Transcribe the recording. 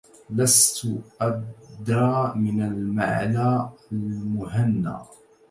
لست أدرى من المعلى المهنا